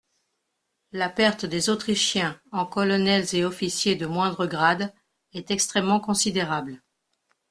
La perte des Autrichiens en colonels et officiers de moindre grade, est extrêmement considérable.